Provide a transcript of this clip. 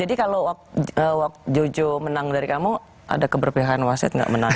jadi kalau jojo menang dari kamu ada keberpihakan wasid gak menang